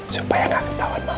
supaya gak ketahuan mama